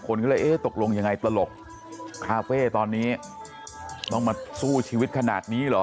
คนก็เลยเอ๊ะตกลงยังไงตลกคาเฟ่ตอนนี้ต้องมาสู้ชีวิตขนาดนี้เหรอ